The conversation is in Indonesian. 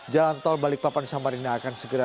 jalan tol balikpapan samarinda akan segera